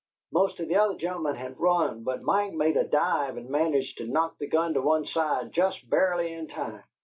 Most of the other gen'lemen had run, but Mike made a dive and managed to knock the gun to one side, jest barely in time.